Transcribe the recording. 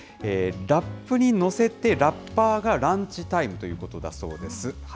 ラップに乗せて、ラッパーがランチタイムということだそうです。